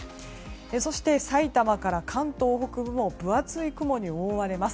そして、埼玉から関東北部も分厚い雲に覆われます。